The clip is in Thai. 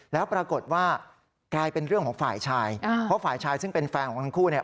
แล้วปรากฏว่ากลายเป็นเรื่องของฝ่ายชายเพราะฝ่ายชายซึ่งเป็นแฟนของทั้งคู่เนี่ย